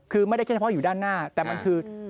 คือไม่ได้เฉพาะอยู่ด้านหน้าแต่มันคือ